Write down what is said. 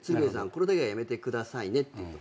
これだけはやめてくださいねって言った。